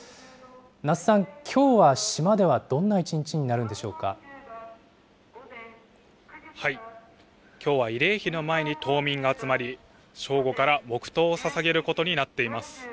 奈須さん、きょうは島ではどんなきょうは慰霊碑の前に島民が集まり、正午から黙とうをささげることになっています。